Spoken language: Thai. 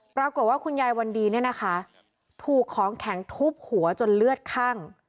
ปรากฏว่าคุณยายวันดีเนี่ยนะคะถูกของแข็งทุบหัวจนเลือดคั่ง